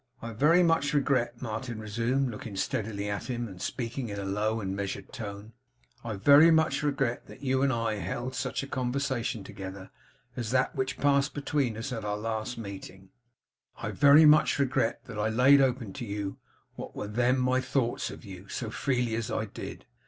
'I very much regret,' Martin resumed, looking steadily at him, and speaking in a slow and measured tone; 'I very much regret that you and I held such a conversation together, as that which passed between us at our last meeting. I very much regret that I laid open to you what were then my thoughts of you, so freely as I did.